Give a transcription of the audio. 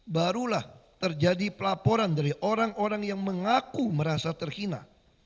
barulah terjadi pelaporan dari orang orang yang mengaku merasa terhina